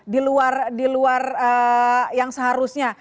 di luar yang seharusnya